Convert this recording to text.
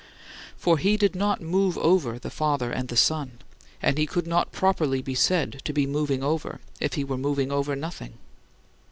For he did not "move over" the Father and the Son, and he could not properly be said to be "moving over" if he were "moving over" nothing.